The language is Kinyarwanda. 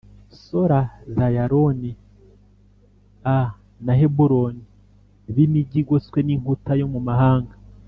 Sora z Ayaloni a na Heburoni b imigi igoswe n inkuta yo mumahanga